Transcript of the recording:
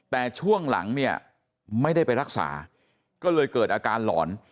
แต่ช่วงหลังเนี่ยไม่ได้ไปรักษาก็เลยเกิดอาการหลอน